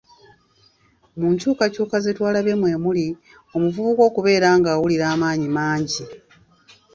Mu nkyukykyuka ze twalabye mwe muli, omuvubuka okubeera ng'awulira amaanyi mangi.